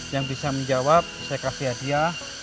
yang bisa menjawab saya kasih hadiah